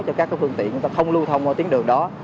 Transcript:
cho các phương tiện chúng ta không lưu thông vào tiếng được đó